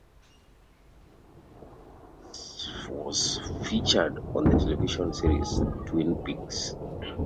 Snoqualmie Falls was featured on the television series "Twin Peaks".